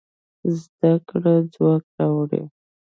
زده کړه ځواک راوړي.